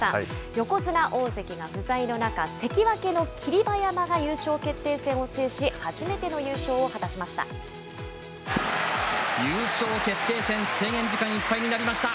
横綱、大関が不在の中、関脇の霧馬山が優勝決定戦を制し、初めて優勝決定戦、制限時間いっぱいになりました。